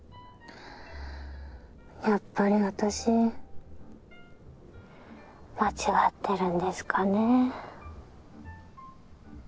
やっぱり私間違ってるんですかね。